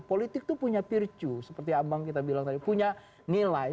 politik itu punya virtue seperti abang kita bilang tadi punya nilai